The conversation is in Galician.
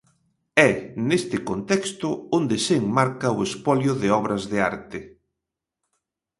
É neste contexto onde se enmarca o espolio de obras de arte.